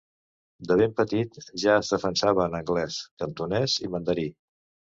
De ben petit, ja es defensava en anglès, cantonès, i mandarí.